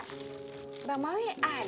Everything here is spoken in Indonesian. nggak ini bang mawi ada nggak ya